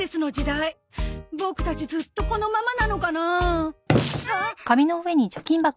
ボクたちずっとこのままなのかな？えっ！？